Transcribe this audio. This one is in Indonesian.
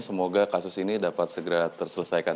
semoga kasus ini dapat segera terselesaikan